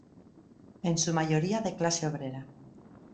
En su mayoría de clase obrera.